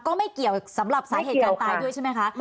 ไม่เกี่ยวกับสาเหตุการณ์ตายด้วยใช่ไหมคะ